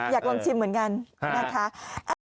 อยากลองชิมเหมือนกันนะคะ